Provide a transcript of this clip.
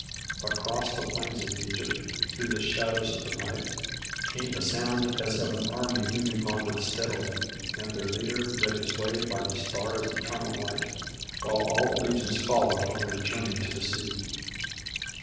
Across the plains of Egypt through the shadows of the night Came the sound as of an army moving onward steadily, And their leader read his way by the stars' eternal light While all the legions followed on their journey to the sea.